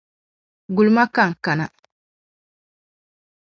Gulima ka n kana.